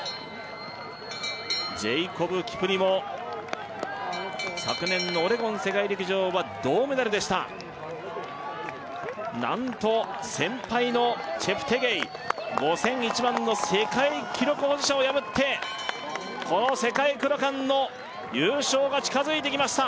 ジェイコブ・キプリモ昨年のオレゴン世界陸上は銅メダルでした何と先輩のチェプテゲイ５０００１００００の世界記録保持者を破ってこの世界クロカンの優勝が近づいてきました